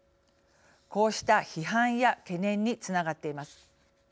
こうした批判や懸念につながっています。